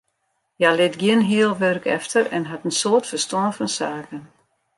Hja lit gjin heal wurk efter en hat in soad ferstân fan saken.